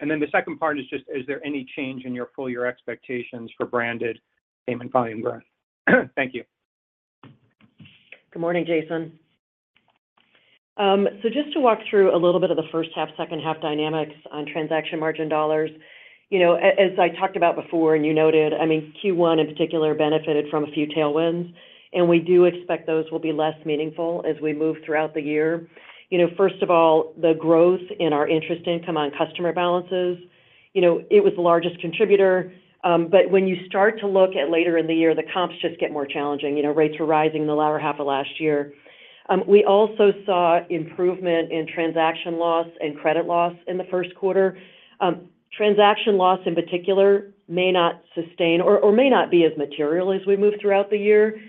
And then the second part is just, is there any change in your full year expectations for branded payment volume growth? Thank you. Good morning, Jason. So just to walk through a little bit of the first-half, second-half dynamics on transaction margin dollars. As I talked about before and you noted, I mean, Q1 in particular benefited from a few tailwinds, and we do expect those will be less meaningful as we move throughout the year. First of all, the growth in our interest income on customer balances, it was the largest contributor. But when you start to look at later in the year, the comps just get more challenging. Rates were rising in the lower half of last year. We also saw improvement in transaction loss and credit loss in the first quarter. Transaction loss, in particular, may not sustain or may not be as material as we move throughout the year.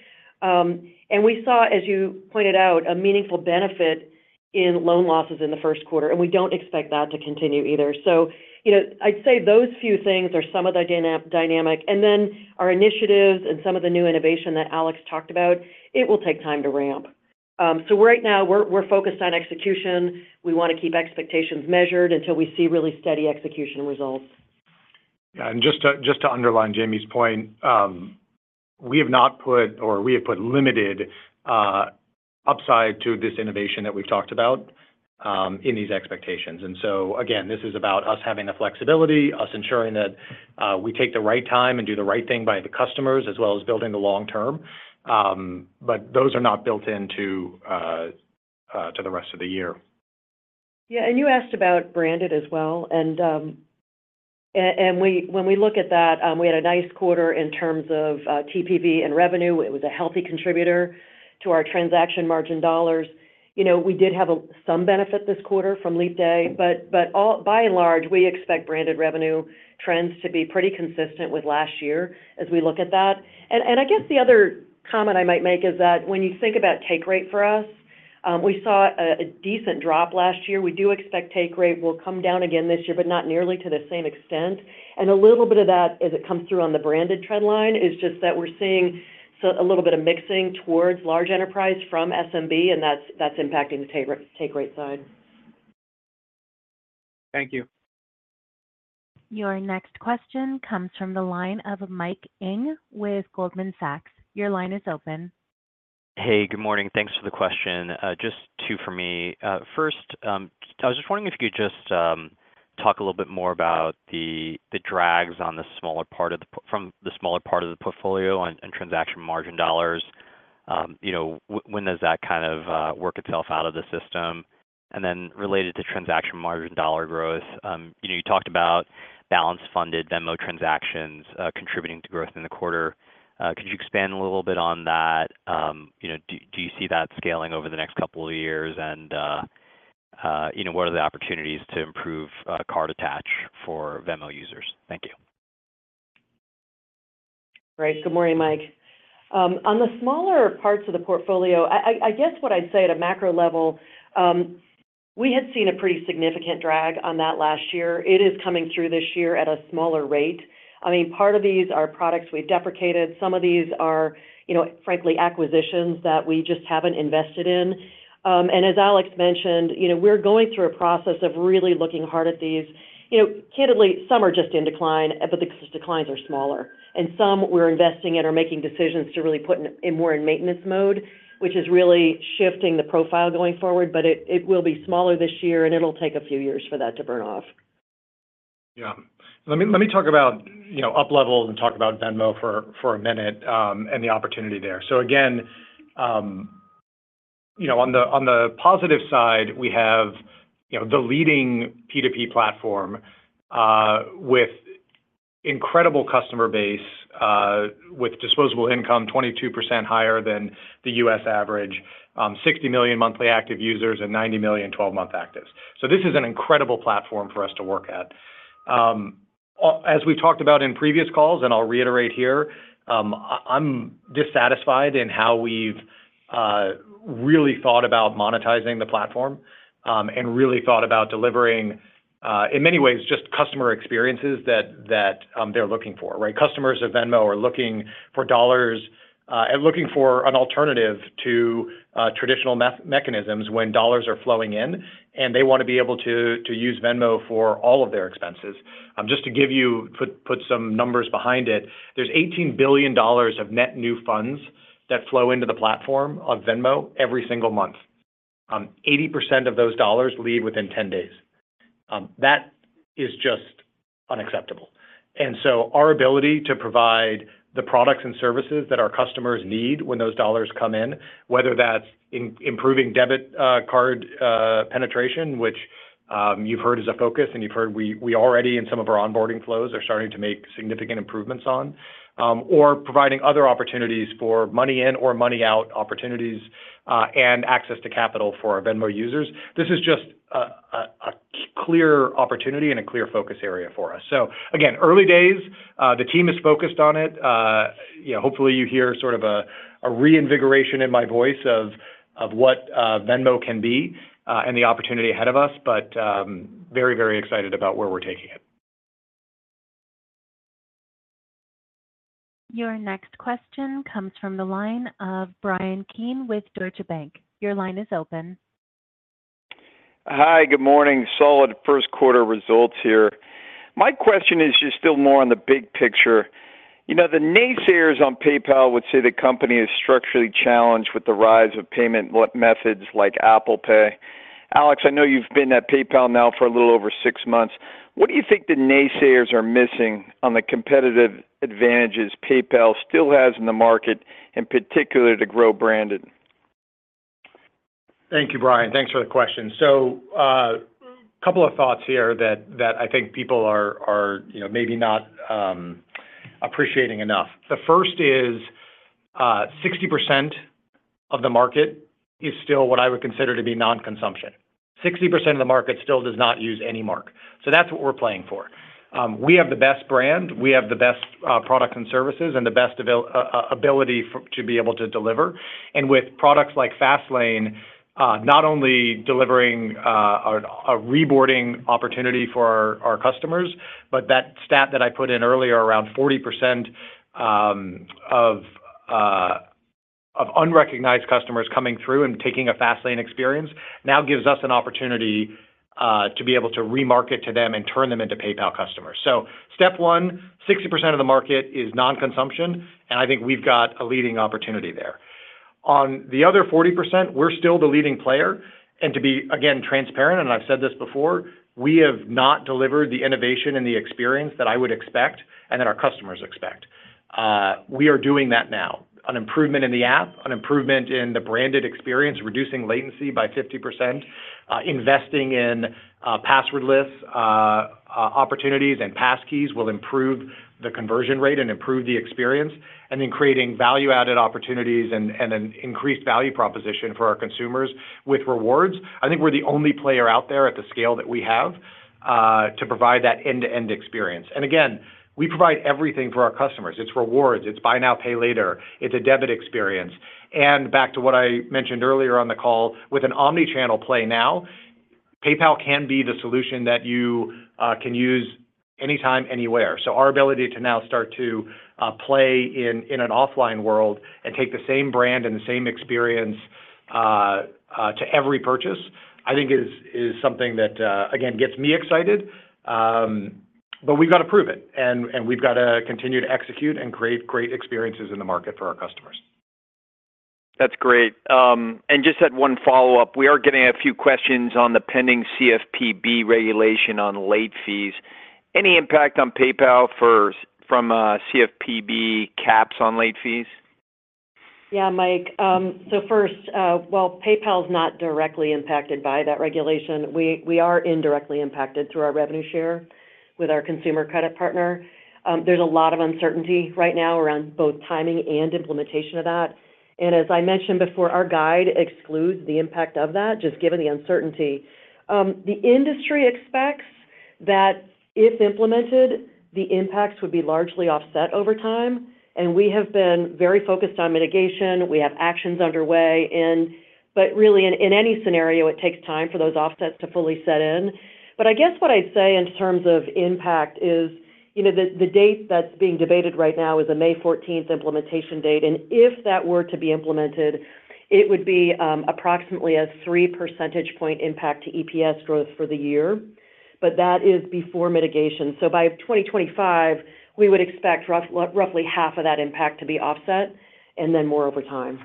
We saw, as you pointed out, a meaningful benefit in loan losses in the first quarter, and we don't expect that to continue either. So I'd say those few things are some of the dynamic. Then our initiatives and some of the new innovation that Alex talked about, it will take time to ramp. So right now, we're focused on execution. We want to keep expectations measured until we see really steady execution results. Yeah. And just to underline Jamie's point, we have not put or we have put limited upside to this innovation that we've talked about in these expectations. And so again, this is about us having the flexibility, us ensuring that we take the right time and do the right thing by the customers as well as building the long term. But those are not built into the rest of the year. Yeah. And you asked about branded as well. And when we look at that, we had a nice quarter in terms of TPV and revenue. It was a healthy contributor to our transaction margin dollars. We did have some benefit this quarter from leap day. But by and large, we expect branded revenue trends to be pretty consistent with last year as we look at that. And I guess the other comment I might make is that when you think about take rate for us, we saw a decent drop last year. We do expect take rate will come down again this year, but not nearly to the same extent. And a little bit of that, as it comes through on the branded trendline, is just that we're seeing a little bit of mixing towards large enterprise from SMB, and that's impacting the take rate side. Thank you. Your next question comes from the line of Mike Ng with Goldman Sachs. Your line is open. Hey, good morning. Thanks for the question. Just two for me. First, I was just wondering if you could just talk a little bit more about the drags on the smaller part of the portfolio and transaction margin dollars. When does that kind of work itself out of the system? And then related to transaction margin dollar growth, you talked about balance-funded Venmo transactions contributing to growth in the quarter. Could you expand a little bit on that? Do you see that scaling over the next couple of years? And what are the opportunities to improve card attach for Venmo users? Thank you. Great. Good morning, Mike. On the smaller parts of the portfolio, I guess what I'd say at a macro level, we had seen a pretty significant drag on that last year. It is coming through this year at a smaller rate. I mean, part of these are products we've deprecated. Some of these are, frankly, acquisitions that we just haven't invested in. And as Alex mentioned, we're going through a process of really looking hard at these. Candidly, some are just in decline, but the declines are smaller. And some we're investing in or making decisions to really put more in maintenance mode, which is really shifting the profile going forward. But it will be smaller this year, and it'll take a few years for that to burn off. Yeah. Let me talk about up levels and talk about Venmo for a minute and the opportunity there. So again, on the positive side, we have the leading P2P platform with incredible customer base, with disposable income 22% higher than the U.S. average, 60 million monthly active users, and 90 million 12-month actives. So this is an incredible platform for us to work at. As we've talked about in previous calls, and I'll reiterate here, I'm dissatisfied in how we've really thought about monetizing the platform and really thought about delivering, in many ways, just customer experiences that they're looking for, right? Customers of Venmo are looking for dollars and looking for an alternative to traditional mechanisms when dollars are flowing in, and they want to be able to use Venmo for all of their expenses. Just to put some numbers behind it, there's $18 billion of net new funds that flow into the platform of Venmo every single month. 80% of those dollars leave within 10 days. That is just unacceptable. And so our ability to provide the products and services that our customers need when those dollars come in, whether that's improving debit card penetration, which you've heard is a focus and you've heard we already in some of our onboarding flows are starting to make significant improvements on, or providing other opportunities for money in or money out opportunities and access to capital for our Venmo users, this is just a clear opportunity and a clear focus area for us. So again, early days, the team is focused on it. Hopefully, you hear sort of a reinvigoration in my voice of what Venmo can be and the opportunity ahead of us. Very, very excited about where we're taking it. Your next question comes from the line of Bryan Keane with Deutsche Bank. Your line is open. Hi. Good morning. Solid first-quarter results here. My question is just still more on the big picture. The naysayers on PayPal would say the company is structurally challenged with the rise of payment methods like Apple Pay. Alex, I know you've been at PayPal now for a little over six months. What do you think the naysayers are missing on the competitive advantages PayPal still has in the market, in particular, to grow branded? Thank you, Bryan. Thanks for the question. So a couple of thoughts here that I think people are maybe not appreciating enough. The first is 60% of the market is still what I would consider to be non-consumption. 60% of the market still does not use any mark. So that's what we're playing for. We have the best brand. We have the best products and services and the best ability to be able to deliver. And with products like Fastlane, not only delivering a reboarding opportunity for our customers, but that stat that I put in earlier around 40% of unrecognized customers coming through and taking a Fastlane experience now gives us an opportunity to be able to remarket to them and turn them into PayPal customers. So step one, 60% of the market is non-consumption, and I think we've got a leading opportunity there. On the other 40%, we're still the leading player. And to be, again, transparent, and I've said this before, we have not delivered the innovation and the experience that I would expect and that our customers expect. We are doing that now. An improvement in the app, an improvement in the branded experience, reducing latency by 50%, investing in passwordless opportunities and passkeys will improve the conversion rate and improve the experience, and then creating value-added opportunities and an increased value proposition for our consumers with rewards. I think we're the only player out there at the scale that we have to provide that end-to-end experience. And again, we provide everything for our customers. It's rewards. It's buy now, pay later. It's a debit experience. Back to what I mentioned earlier on the call, with an omnichannel play now, PayPal can be the solution that you can use anytime, anywhere. Our ability to now start to play in an offline world and take the same brand and the same experience to every purchase, I think, is something that, again, gets me excited. But we've got to prove it, and we've got to continue to execute and create great experiences in the market for our customers. That's great. And just that one follow-up, we are getting a few questions on the pending CFPB regulation on late fees. Any impact on PayPal from CFPB caps on late fees? Yeah, Mike. So first, while PayPal is not directly impacted by that regulation, we are indirectly impacted through our revenue share with our consumer credit partner. There's a lot of uncertainty right now around both timing and implementation of that. And as I mentioned before, our guide excludes the impact of that, just given the uncertainty. The industry expects that if implemented, the impacts would be largely offset over time. And we have been very focused on mitigation. We have actions underway. But really, in any scenario, it takes time for those offsets to fully set in. But I guess what I'd say in terms of impact is the date that's being debated right now is a May 14th implementation date. And if that were to be implemented, it would be approximately a 3 percentage point impact to EPS growth for the year. But that is before mitigation. So by 2025, we would expect roughly half of that impact to be offset and then more over time.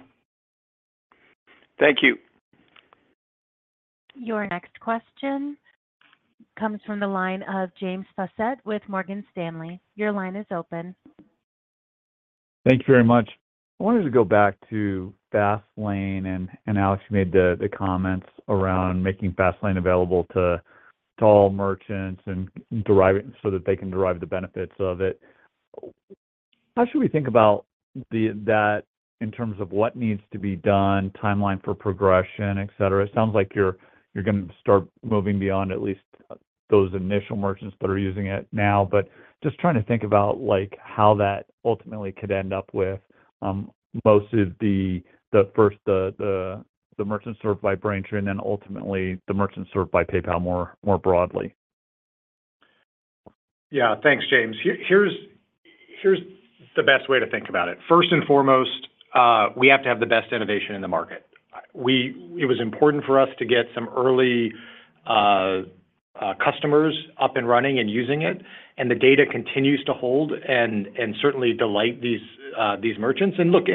Thank you. Your next question comes from the line of James Faucette with Morgan Stanley. Your line is open. Thank you very much. I wanted to go back to Fastlane. And Alex, you made the comments around making Fastlane available to all merchants so that they can derive the benefits of it. How should we think about that in terms of what needs to be done, timeline for progression, etc.? It sounds like you're going to start moving beyond at least those initial merchants that are using it now. But just trying to think about how that ultimately could end up with most of the first, the merchants served by Braintree, and then ultimately the merchants served by PayPal more broadly. Yeah. Thanks, James. Here's the best way to think about it. First and foremost, we have to have the best innovation in the market. It was important for us to get some early customers up and running and using it. And the data continues to hold and certainly delight these merchants. And look,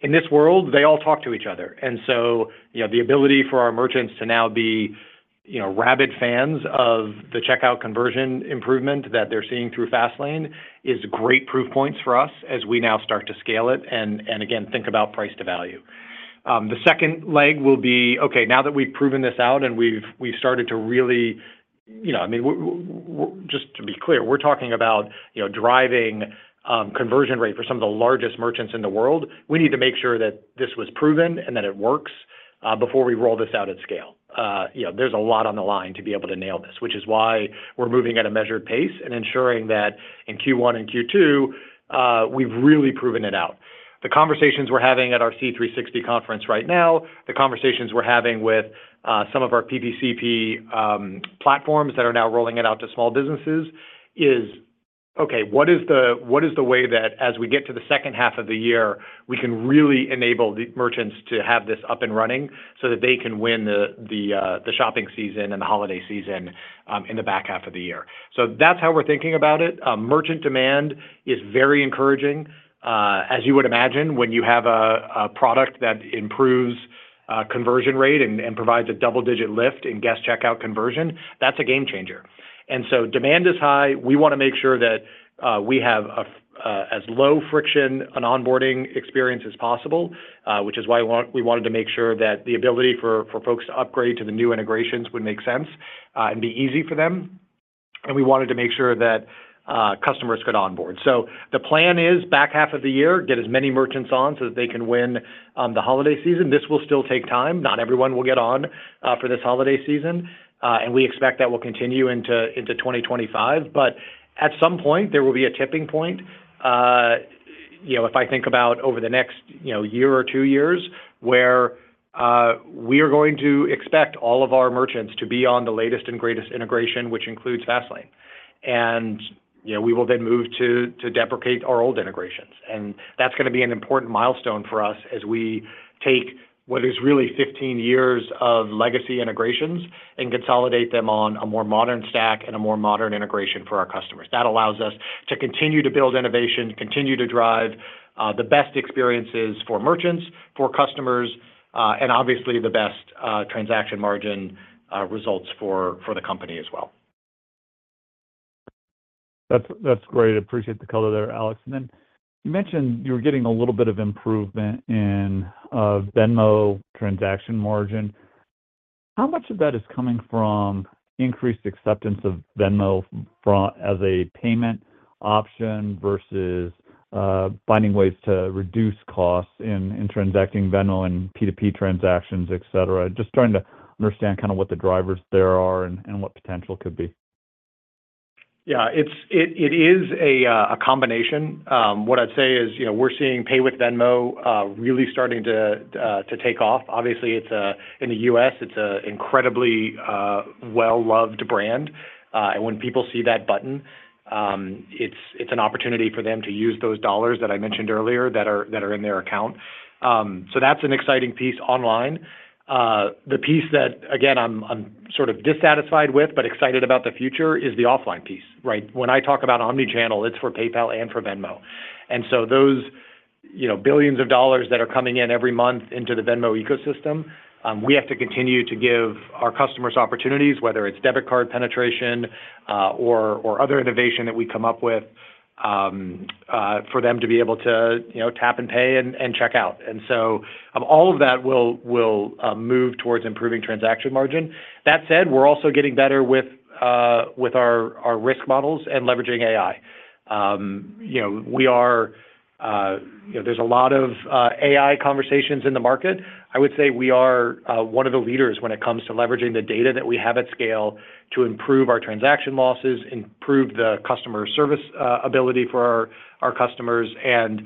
in this world, they all talk to each other. And so the ability for our merchants to now be rabid fans of the checkout conversion improvement that they're seeing through Fastlane is great proof points for us as we now start to scale it and, again, think about price to value. The second leg will be, "Okay, now that we've proven this out and we've started to really " I mean, just to be clear, we're talking about driving conversion rate for some of the largest merchants in the world. We need to make sure that this was proven and that it works before we roll this out at scale. There's a lot on the line to be able to nail this, which is why we're moving at a measured pace and ensuring that in Q1 and Q2, we've really proven it out. The conversations we're having at our C360 conference right now, the conversations we're having with some of our PPCP platforms that are now rolling it out to small businesses is, "Okay, what is the way that as we get to the second half of the year, we can really enable merchants to have this up and running so that they can win the shopping season and the holiday season in the back half of the year?" So that's how we're thinking about it. Merchant demand is very encouraging. As you would imagine, when you have a product that improves conversion rate and provides a double-digit lift in guest checkout conversion, that's a game changer. And so demand is high. We want to make sure that we have as low friction an onboarding experience as possible, which is why we wanted to make sure that the ability for folks to upgrade to the new integrations would make sense and be easy for them. And we wanted to make sure that customers could onboard. So the plan is back half of the year, get as many merchants on so that they can win the holiday season. This will still take time. Not everyone will get on for this holiday season. And we expect that will continue into 2025. At some point, there will be a tipping point if I think about over the next year or two years where we are going to expect all of our merchants to be on the latest and greatest integration, which includes Fastlane. We will then move to deprecate our old integrations. That's going to be an important milestone for us as we take what is really 15 years of legacy integrations and consolidate them on a more modern stack and a more modern integration for our customers. That allows us to continue to build innovation, continue to drive the best experiences for merchants, for customers, and obviously, the best transaction margin results for the company as well. That's great. I appreciate the color there, Alex. And then you mentioned you were getting a little bit of improvement in Venmo transaction margin. How much of that is coming from increased acceptance of Venmo as a payment option versus finding ways to reduce costs in transacting Venmo and P2P transactions, etc.? Just trying to understand kind of what the drivers there are and what potential could be. Yeah. It is a combination. What I'd say is we're seeing Pay with Venmo really starting to take off. Obviously, in the U.S., it's an incredibly well-loved brand. And when people see that button, it's an opportunity for them to use those dollars that I mentioned earlier that are in their account. So that's an exciting piece online. The piece that, again, I'm sort of dissatisfied with but excited about the future is the offline piece, right? When I talk about omnichannel, it's for PayPal and for Venmo. And so those billions of dollars that are coming in every month into the Venmo ecosystem, we have to continue to give our customers opportunities, whether it's debit card penetration or other innovation that we come up with for them to be able to tap and pay and check out. And so all of that will move towards improving transaction margin. That said, we're also getting better with our risk models and leveraging AI. We are. There's a lot of AI conversations in the market. I would say we are one of the leaders when it comes to leveraging the data that we have at scale to improve our transaction losses, improve the customer service ability for our customers, and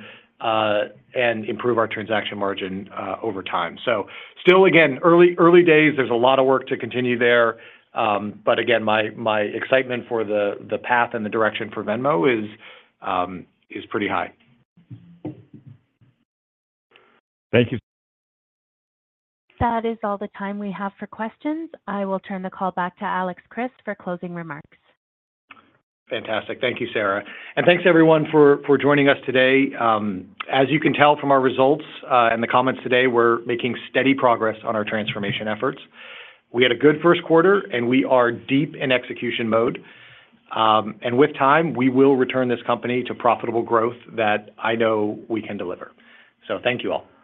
improve our transaction margin over time. So still, again, early days, there's a lot of work to continue there. But again, my excitement for the path and the direction for Venmo is pretty high. Thank you. That is all the time we have for questions. I will turn the call back to Alex Chriss for closing remarks. Fantastic. Thank you, Sarah. Thanks, everyone, for joining us today. As you can tell from our results and the comments today, we're making steady progress on our transformation efforts. We had a good first quarter, and we are deep in execution mode. With time, we will return this company to profitable growth that I know we can deliver. Thank you all.